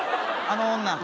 「あの女」